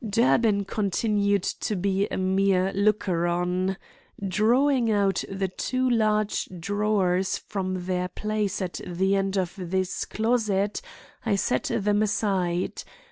Durbin continued to be a mere looker on. Drawing out the two large drawers from their place at the end of this closet, I set them aside.